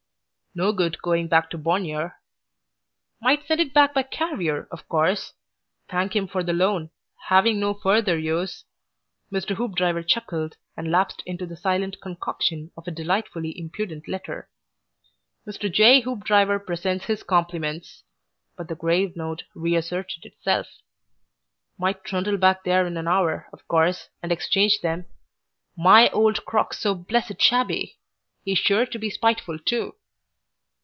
"No good going back to Bognor. "Might send it back by carrier, of course. Thanking him for the loan. Having no further use " Mr. Hoopdriver chuckled and lapsed into the silent concoction of a delightfully impudent letter. "Mr. J. Hoopdriver presents his compliments." But the grave note reasserted itself. "Might trundle back there in an hour, of course, and exchange them. MY old crock's so blessed shabby. He's sure to be spiteful too.